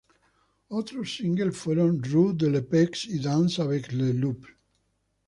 Otros singles fueron "Rue de la paix" y "Danse avec les loops".